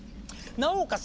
なおかつ